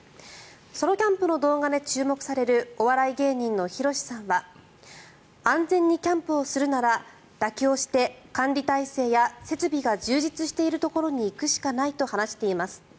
ソロキャンプの動画で注目されるお笑い芸人のヒロシさんは安全にキャンプをするなら妥協して管理体制や設備が充実しているところに行くしかないと話しています。